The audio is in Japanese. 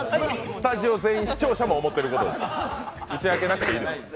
スタジオ全員、視聴者も思っていることです、打ち明けなくていいです。